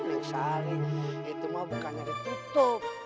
neng sari itu mah bukannya ditutup